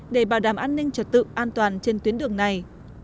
để bảo đảm an ninh trật tự an toàn trên tuyến đường này